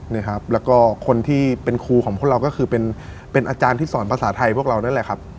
นี่ครับแล้วก็คนที่เป็นครูของพวกเราก็คือเป็นอาจารย์ที่สอนภาษาไทยพวกเรานั่นแหละครับ